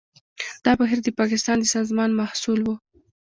دا بهیر د پاکستان د سازمان محصول و.